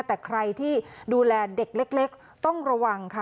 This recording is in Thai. แต่ใครที่ดูแลเด็กเล็กต้องระวังค่ะ